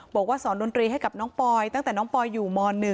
บอกว่าสอนดนตรีให้กับน้องปอยตั้งแต่น้องปอยอยู่ม๑